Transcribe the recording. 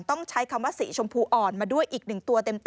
ต้องใช้คำว่าสีชมพูอ่อนมาด้วยอีกหนึ่งตัวเต็ม